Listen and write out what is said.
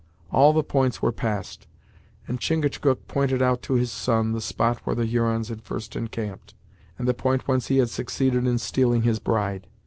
All the points were passed, and Chingachgook pointed out to his son the spot where the Hurons had first encamped, and the point whence he had succeeded in stealing his bride.